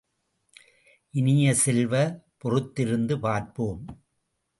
இனிய செல்வ, பொறுத்திருந்து பார்ப்போம்!